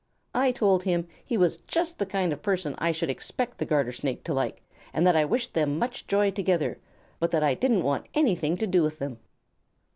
I told him he was just the kind of person I should expect the Garter Snake to like, and that I wished them much joy together, but that I didn't want anything to do with them.